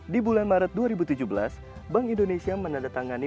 di bulan maret dua ribu tujuh belas bank indonesia menandatangani